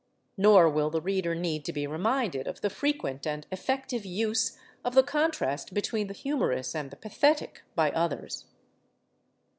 Nor will the reader need to be reminded of the frequent and effective use of the contrast between the humorous and the pathetic by others.